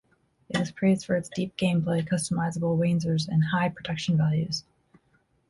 It was praised for its deep gameplay, customizable wanzers, and high production values.